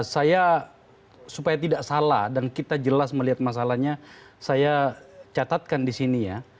saya supaya tidak salah dan kita jelas melihat masalahnya saya catatkan di sini ya